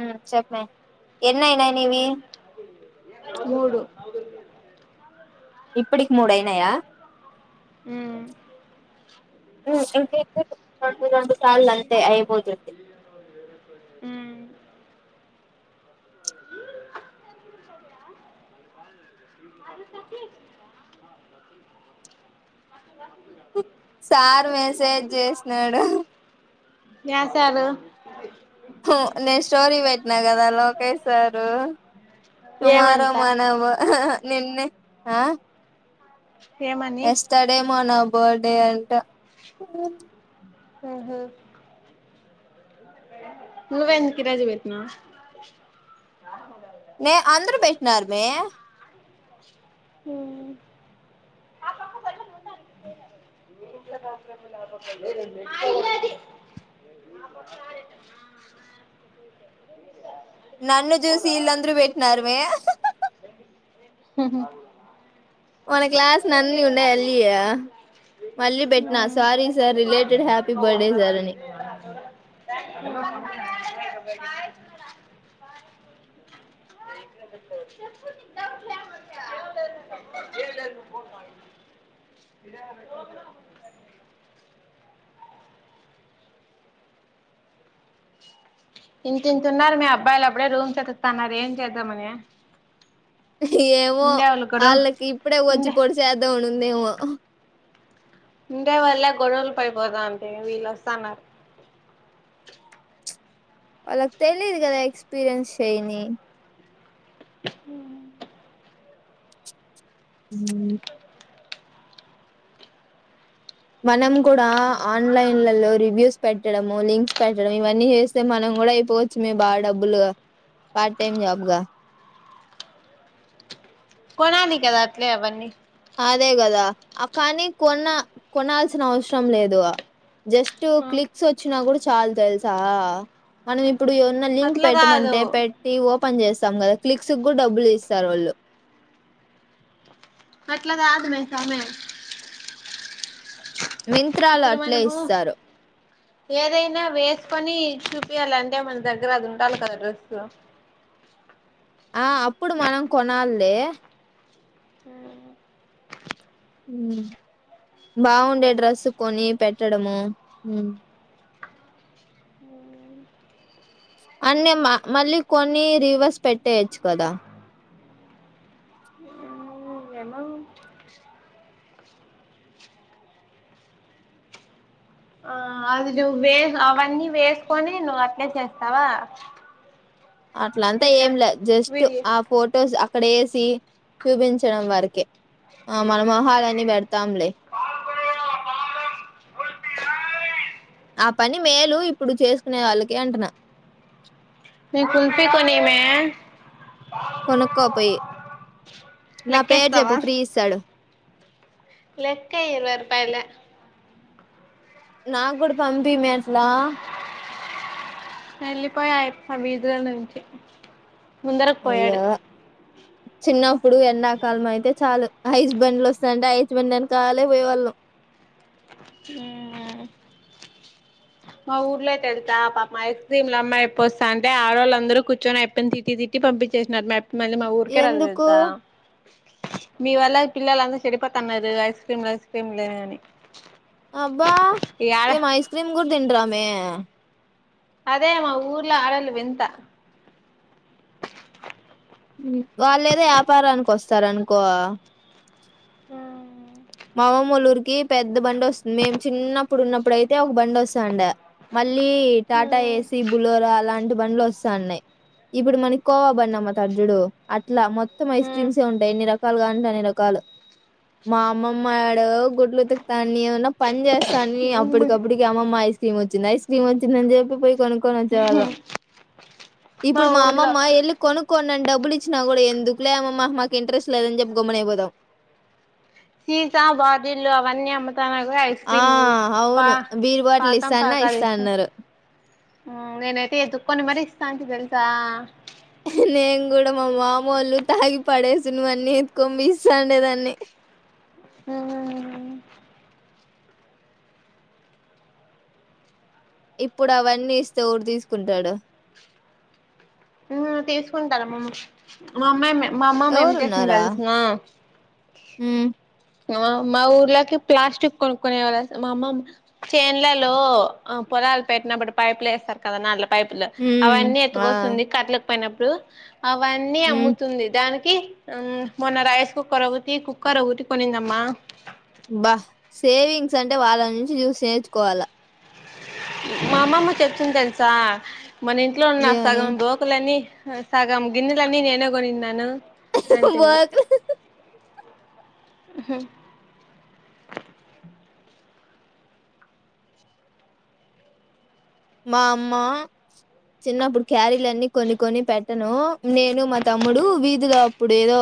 మ్మ్ చెప్పే ఎన్నయినాయి నీవి మూడు నాకు తెల్వది ఇప్పడికి మూడై యినాయా ఉ ఇంకెం సేపు రెండు రెండు సార్లు అంతే అయిపోతుంది అరుంధ కి సార్ మెసేజ్ న్యాసాలు చేసినాడు నువ్వే ఉమ్ నెక్స్ట్ స్టోరీ పెట్టినా కదా లోకేష్ సారు టుమారో ఏమంట మనవు నిన్నే ఆ ఏమని ఎస్టర్డే మనం బర్డే అంట ఆహా నువ్వెందు కిరోజు పెట్టినవ్ మే అందరు పెట్టినరుమే హు మా ఇల్లు అది నన్ను జూసి ఇలాందారు పేట్నారుమే హ హ్మ్ మన క్లాస్ నన్నీ ఉండై ఎళ్లియ హ్యాపీ బర్త్డే సార్ అని మా ఇంతింత ఉన్నారు మే అబ్బాయిలు అప్పుడే రూమ్స్ ఎతుకుతన్నారు ఏం చేద్దామని ఏమో ఉండేవాళ్ళు గొడవ ఆళ్ళకి ఇప్పుడే వచ్చి ఉండే పొడి చేద్దాం అని ఉందేమో ఆ ఉండే వళ్లే గొడవలు పడిపోతా అంటే వీళ్ళొస్తన్నారు అలా తెలిది కదా ఎక్స్ ఎక్స్పీరియన్స్ సైంధి హ ఉమ్ మనం కూడా ఆన్లైన్లలో రివ్యూస్ పెట్టడం లింక్స్ పెట్టడం ఇవన్నీ చేస్తే మనం కూడా అయిపోవచ్చు మే బాగా డబ్బులుగా పార్ట్ టైమ్ జాబ్గా కొనాలి కదా అట్లే అవన్ని అదే కదా కానీ కొన్నా కొనాల్సిన అవసరం లేదు జస్ట్ క్లిక్స్ వచ్చినా కూడా చాలు తెలుసా మనం ఇప్ ఇప్పుడు ఏవరన్నా లింక్ అట్లా కాదు పెట్టమంటే పెట్టి ఓపెన్ చేస్ స్తాం కదా క్లిక్స్ కూడా డబ్బులు ఇస్తారు వాళ్ళు అట్ల కాదుమే సామే మింత్రాలో అట్లే మనము ఇస్తారు ఏదైనా వేసుకొని చూపించాలంటే మన దగ్గర అది ఉండాలి కదా డ్రెస్ ఆ అప్పుడు మనం కొనాలిలే ఆ బాగుండే డ్రస్సు కొని పెట్టడము అన్న మళ్ళీ కొన్ని రివర్స్ పెట్టేయొచ్చు కదా ఏమో ఆ అది నువ్వు వే అవన్నీ వేసుకొని నువ్వు అట్లే చేస్తావా అట్లంతా బేటా ఏం లే జస్ట్ విడి ఆ ఫొటోస్ అక్కడ వేసి చూపించడం వరకే ఆ మనం మహాలన్ని పెడతాంలే ఆ పని మేలు ఇప్పుడు చేసుకునే వాళ్ళకి అంటున్నా మీ కులఫీ కొనీమే కొనుక్కోపోయి నా పేరు చెప్పు లెక్కేస్తావా ఫ్రీ ఇస్తాడు లెక్కేయ్ ఇరవై రూపాయలే నా కూడాడ పంపి మే అట్లా వెళ్ళిపోయా బీద్ర నుంచి ముందరకు పోయాడు అయ్యో చిన్నప్పుడు ఎండాకాలం అయితే చాలు హస్బెండ్లు వస్తున్నాంటే హై హస్బెండ్ అని కావాలి పోయేవాళ్ళం మా ఊర్లోయితే వెళ్తా పాప ఐస్ క్రీమ్లు అమ్మాయి ఎప్ప వస్తా అంటే ఆడళ్ళు అందరుూ కూర్చొని ఎయిపో తిట్టి తిట్టి పంపించేసిన మా మళ్ళీ మా ఊరికే రాల ఎందుకు తెలుసా మీ వల్ళ పిల్లంద చెడిపా తన్నారు ఐస్ క్రీమ్ ఐస్ క్రీమ్ని అబ్బా ఏం ఐస్ క్రీమ్ కూడా తింటమే అదే మా ఊర్లా ఆడలు వెంత వాళ్ళు ఏదో వ్యాపారానికి వస్తార అనుకో మా అమ్మమోలూరుకి పెద్ద బండి వస్తుంది మేము చిన్నప్పుడు ఉన్నప్పుడు అయితే ఒక బండి వస్తాండి మళ్ళీ ళ్ టాటా ఏసి బులోరా అలాంటి బంలు వస్తా ఉన్నాయి ఇప్పుడు మనకి కోవబడి అమ్ముతాడు చూడు అ ఇట్ మొత్తం ఐస్ క్రీమ్స్ ఉంటాయి రకాలు కాగాడి అన్ని రకాలు మా అమ్మమాడగ గుడ్లు ఉతుకుతాని ఏమన్నా పని చేస్తాని అప్పటికప్పుటికి అమమ్మా ఇస్త క్రీమ్ వచ్చంది ఐస్ క్రమ్ వచ్చిందని చెప్పే కొనుక్కని వచ్చే వాళ్ళం ఇప్పుడు మా అమ్మమ్మ వెళ్ళి కొనుక్కడి డబ్బు లి ఇచ్చినా కూడా ఎందుకులే అమమ్మా మాకు ఇంట్రెస్ట్ లేదని చెప్పి గమన అయిపోదాం సీసా బాటిల్న అవన్నీమ్ ఆ అవును బీర్ బాటిల్ పాకం ఇస్తాన్న పాకాలు ఇస్తా అన్నారు నేనైతే ఎదుకని మరి ఇస్తా అంతనికి తెలుసా నేను కూడ మామ మందుతాగి పడే ఇ నువ అన్నీ ఎత్కొ పోయి ఇస్తండెడాన్ని హ ఇప్పుడు అవన్నీ ఇస్తే ఎవరు తీసుకుంటాడు హ్మ్మ్ తీసుకుంటారమ్ మామ్మ మా అమ్మాయిమ్ మ మా అమ్మమ్మ ఏం తెసింది ఎవరున్నారా తెలుసిన హ్మ్ ఆ మా ఊర్లోకి ప్లాస్టిక్ కొనుకునే వాళ్ళు మా అమ్మ చేన్లలో పొలాలు పెట్టినప్పుడు పైపులు వేస్తారు కదా న పైపు లో హ్మ్ అవన్నీ ఆ ఎత్తుకొస్తుంది కట్లు పైనప్పుడు అవన్నీ హ్మ్ అమ్ముతుంది దానికి మన రైస్ కుక్కర్ ఒకటి కుక్కర్ కొనిందమ్మా బా సేవింగ్స్ అంటే వాళ్ళ నుంచి చూసి నేర్చుకోవాలా మామ్మమ్మ చెప్తుంది తెల్సా మన ఇంట్లో ఉన్న నా ఏమని సగం దోకలని సాగామ్ గినిలా నన్ ఏనగోనిన్ నాను బ హ్మ్మ్ మా అమ్మ చిన్నప్పుడు క్యారీలన్నీ కొన్ని కొని పెట్టను నేను మా తమ్ముడు వీధిలో ఇప్పుడు ఏదో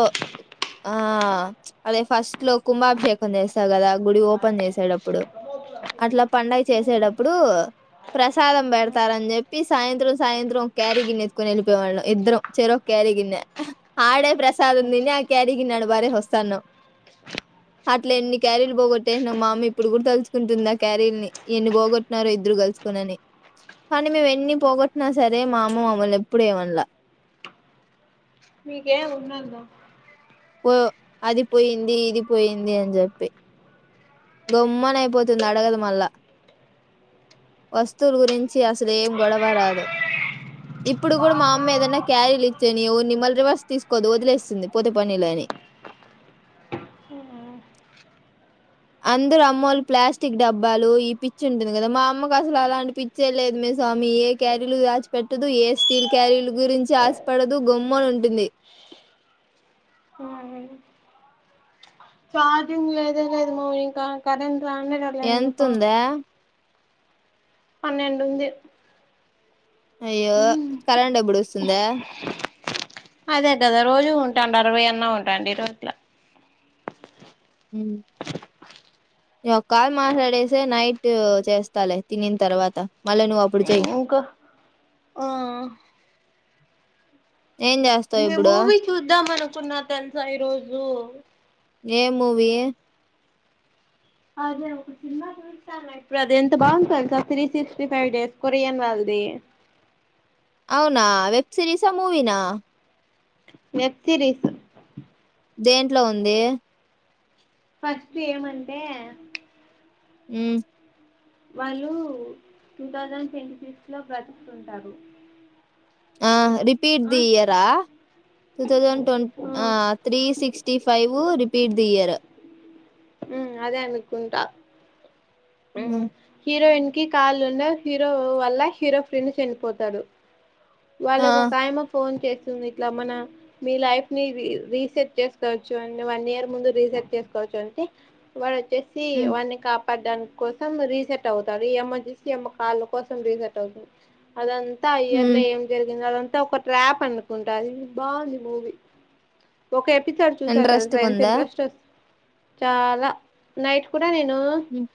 ఆ అదే ఫస్ట్ లో కుంభాభిషేకం చేస్తా కదా గుడి ఓపెన్ చేసాడుప్పుడు అట్లా ప చేసేటప్పుడు ప్రసాదం పెడతారని చెప్పి చెి సాయంత్రం సాయంత్రం క్యారీ గిన్నె ఎత్తుకొని వెళ్ళిపోే వాళ్ళం ఇద్దరం చెర ఒక క్యారిీ గిన్నె ఆడే ప్రసాదం తిని ఆ కారి గిన్ని ఆ వారే వస్తాన్నా్ అట్ల ఎన్ని క్యారీలు పోగొట్టేన్నా మామ ఇప్పుడు కూడా తలుచసుకుంటుందా క్యారీల్ ని ఎన్ని పోగొట్టినారో ఇద్దరు కలుసు ని కానీ మేము ఎన్ని పోగొట్టినా సరే మా అమ్మ అమ్మలు ఎప్పుడ ఏమనల మీకే ఉన్నాందా ఓ అది పోయింది ఇది పోయింది అని చెప్పి గొమ్మన అయిపోతుంది అడగదు మళ్ళా వస్తువుల గురించి అసలు ఏం గొడవ రాదు ఇప్పుడు కూడా మా అమ్మ ఏదనా క్యారీలు ఇచ్చేని నిిమ్మల్ రవర్స్ తీసుకోదు వదిలేస్తుంది పూతే పనిలని అందరు అమ్మోలు ప్లాస్టిక్ డబ్బాలు ఈ పిచ్చి ఉంటుంది కదా మా అమ్మకు అసలు అలాంటి పిచ్చే లేదు మే స్వామి ఏ క్యారీలు దచిపెట్టదు ఏ స్టీల్ క్యారీలు గురించి ఆశపడదు గొమ్మనా ఉంటుంది చార్జింగ్ లేదే లేదు మా ఇంకా కరెంట్ రానే రాలా ఎందుకో ఎంతుందా పన్నెడుంది అయ్యో కరెంట్ ఎప్పుడు వస్తుందా అదే కదా రోజు ఉంటాండి అరవై అన్న ఉంటాండి రోజల ఒక కాలు మాట్లాడేసిే నైట్ చేస్తాలే తినిన తర్వాత మళ్ళా నువ్వు అప్పుడు చెయ్యి ఇంకా ఆ ఏం చేస్తావు ఇప్పుడు కున్న తెలుసా ఈ రోజు ఏ మూవీ అదే ఒక సినిమా చూస్తాన్న ఇప్పుడు అది ఎంత బాగుంటది తెలుస. Three sixty five days Korean వాళ్ళది. అవునా వెబ్ సిరీస్ ఆ మూవీనా వెబ్ సిరీస్ దేంట్లో ఉంది ఫస్ట్ ఏమంటే ఉ వాళ్ళు టూ థౌజండ్ సెంచురీస్ లో బతుకుతుంటారు. ఆ రిపీట్ ది ఇయరా two thousand twenty um three sixty five నువు రిపీట్ దియ్యరు అదే అనుకుంటా ఉ హీరోయిన్ కాల్లు ఉండవ్ హీరో వల్ల హీరో ఫ్రెండ్ చనిపోతాడు. ఆ వాళ్ళకి ఒకయమ్ ఫోన్ చేస్తుంది. ఇట్లా మన మీ లైఫ్ ని రీ రీసెట్ చేసుకోవచ్చు. అ వన్ ఇయర్ ముందు రీసెట్ చేసుకోవచ్చు. అంటే వాడ్ చ్చసి మ్ వాని కప్ పడ్డానికి కోసం రీసెట్ అవుతారు ఇయమ్మను చూస్తే కాళ్ళ కోసం రీసెట్ అవుతుంది. అదం తాయ్యర్ మ్ జరిగింది అది అంతా ఒక ట్రాప్ అనుకుంట బాగుంది మూవీ ఒక ఎప్ ఎపిసోడ్ చూస తెలుసా ఇంట్రెస్ట్గా ఎంత ఉందా ఇంట్రెస్ట్స్ ఉం చాలా నైట్ కూడ్ నేను మ్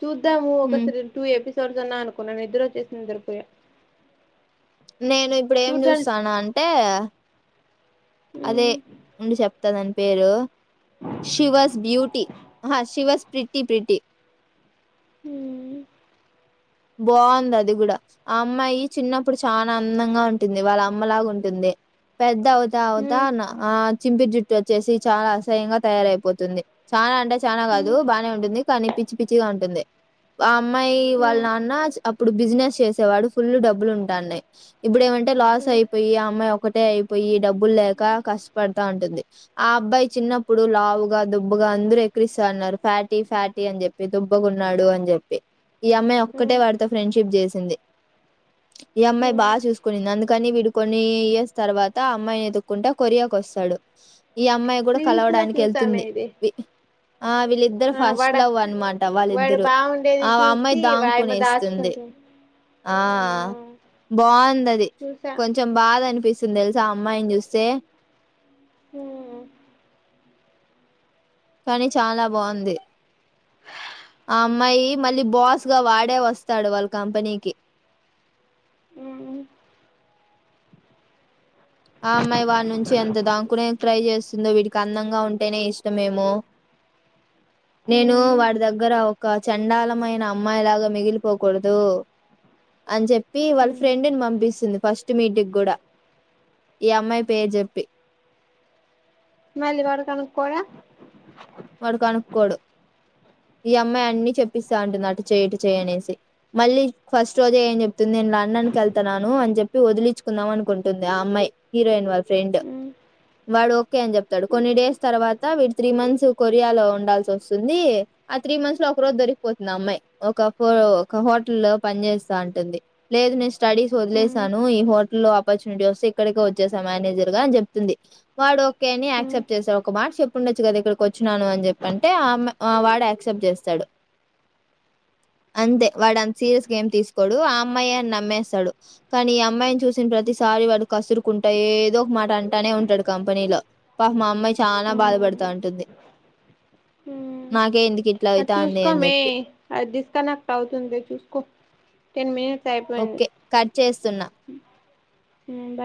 చూద్దాము ఒక మ్ త్రీ ఎపీ చోసన్నా అనుకున్నాను నిద్దరుచ్చేసి నిద్దరుపోయ నేను ఇప్పుడు ఏం చూస్తాను అంటే అదే ఉమ్ ఉండి చెప్ వస్తదని పేరు షి వజ్ బ్యూటీ హా శివ జ్ ప్రిట్టి ప్రిటి ఉమ్ ఉ బాగుంది అది కూడా ఆ అమ్మాయి చిన్నప్పుడు చాన అందంగా ఉంటుంది. వాళ్ళ అమ్మలాగా ఉంటుంది పెద్ అవుత అవుతా ఉమ్ అన్నా ఆ చింపి జుట్ వచ్చేసి చాలా అసహ్యంగా తయారయిపోతుంది. చాలా అంటే చానా కాదు బాగనే ఉంటుంది కానీ పిచ్చి పిచ్చిగా ఉంటుంది అమ్మాయి వాళ్ళ నాన్ అప్పుడు బిజినెస్ చేసేవాడు ఫుల్ డబ్బులు ఉంటండే, ఇప్పుడు ఏమంటే అంటే లాస్ అయిపోయి ఆ అమ్మాయి ఒకటే అయిపోయి డబ్బులు లేక కష్టపడతా ఉంటుంది. ఆ అబ్బాయి చిన్నప్పుడు లావుగా దుబ్బగా అందరూ ఎకరిస్తా అన్నారు ఫ్యాటీ ఫ్యాటీ అని చెప్పి, దుబ్బగాన్నాడు అని చెప్పి. ఈ అమ్మాయి ఒక్కటే వాడితో ఫ్రెండ్షిప్ చేసింది. ఈ అమ్మాయి బా చూసుకునింది, అందుకని వీడు కొన్ని ఇయర్స్ తర్వాత అమ్మాయిని ఎతుక్కుంటా కొరియాకు వస్తాడు, ఈ అమ్మాయి కూడా రీల్స్ లో కలవడానికి చూసామే ఎళ్తుంది, ఇది ఆ వీళ్ళిద్దరు ఆ ఫస్ట్ వాడ లవ్ అనమాట వాడు వాళ్ళిద్దరు, బాగుండేది ఆ అమ్మాయి చూసి దాం వాయమ వస్తుంది, దాచుకుంటు ఆ బాగుందది చూసా కొంచెం బా అనిపిస్తుంది తెలుసా ఆ అమ్మాయిని చూస్తే ఉమ్ కానీ చాలా బాగుంది. ఆ అమ్మాయి మళ్ళీ బాస్ గా వాడే వస్తాడు, వాళ్ళ కంపెనీకి. ఉమ్ ఆ అమ్మాయి వాడి నుంచి ఎంత దాక్కునేకి ట్రై చేస్తుందో వీడికి అందంగా ఉంటు అంటేనే ఇష్టం మేమో నేను హ్మ్ వాడి దగ్గర ఒక చండాలమైన అమ్మాయిలాగా మిగిలిపోకూడదు, అని చెప్ వీ వాళ్ళ హ్మ్ ఫ్రెండ్ని పంపిస్తుంది ఫస్ట్ మీటింగ్ కూడా. ఈ అమ్మాయి పేరు చెప్పి మళ్ళీ వాడు కనుక్కోర వాడు కనుక్కోడు, ఈ అమ్మాయి అన్ని చెప్పిస్తా ఉంటది అటు చేయిటు చేయ్ అనేసి, మళ్ళీ ఫస్ట్ రోజే ఏం చెప్తుంది నేను లండన్కి ఏళ్లుతున్నాను అని చెప్పి వదిలించుకుందాం అనుకుంటుంది ఆ అమ్మాయి, హీరోయిన్ వాళ్ళ ఫ్రెండు హ్మ్ వాడు ఓకే అని చెప్తాడు, కొన్ని డేస్ తర్వాత వీడు త్రీ మంత్స్ కొరియా లో ఉండాల్సి వస్తుంది, ఆ త్రీ మంత్స్ లో ఒక రోజు దొరికిపోతుంది ఆ అమ్మాయ్, ఒక ఒక హోటల్ లో పని చేస్తా ఉంటుంది, లేదు నే స్టడీస్ హ్మ్ వదిలేసాను ఈ హోట్ లో ఆపర్చునిటీ వస్తే ఇక్కడికే వచ్చేసా మేనేజర్ గా అని చెప్తుంది, వాడు ఓకే అని హ్మ్ యాక్సెప్ట్ చేస్తాడు ఒక మాట చెప్పుండచ్చు కదా, ఇక్కడ వచ్చినను అని చెప్పంటే, ఆ అమ్మాయ్ ఆ వాడు యాక్సెప్ట్ చేస్తాడు. అంతే వాడు అంత సీరియస్గేమ్ తీసుకోడు ఆ అమ్మాయి అని నమ్మేస్తాడు, కానీ ఈ అమ్మాయిని చూసిన ప్రతిసారి వాడు కసురుకుంటా ఏదో ఒక మాట అంటానే ఉంటాడు కంపెనీలో. పాపం ఆ అమ్మాయి చానా బాధపడుతా ఉంటుంది. ఉమ్ నాకే ఎందుకిట్లా అది అయితాంది అని చూసుకోమే జెప్పి. అది డిస్కనెక్ట్ అవుతుంది చూసుకో. టెన్ మినిట్స్ అయిపోయింది ఓకే కట్ చేస్తున్నా. బై